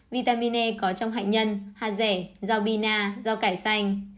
vitamin e có trong hạnh nhân hạt rẻ rau bina rau cải xanh